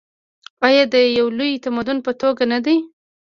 آیا د یو لوی تمدن په توګه نه دی؟